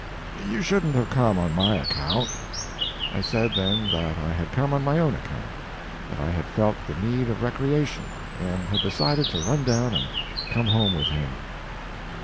You shouldn't have come on my account." I said then that I had come on my own account, that I had felt the need of recreation, and had decided to run down and come home with him.